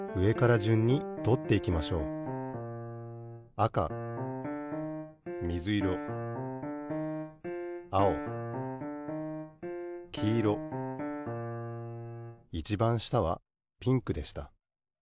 あかみずいろあおきいろいちばん下はピンクでした。